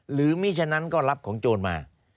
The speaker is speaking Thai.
หรือไม่ฉะนั้นก็รับของโจรมา